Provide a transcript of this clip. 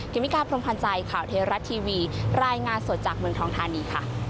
เมกาพรมพันธ์ใจข่าวเทราะทีวีรายงานสดจากเมืองทองธานีค่ะ